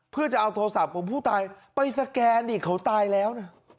เพื่อจะเอาโทรศัพท์ของผู้ตายไปสแกนอีกเขาตายแล้วนะ